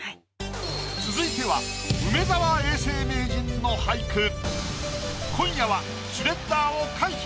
続いては梅沢永世名人の俳句。